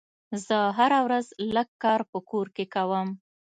زه هره ورځ لږ کار په کور کې کوم.